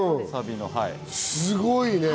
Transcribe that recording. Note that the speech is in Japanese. すごいね。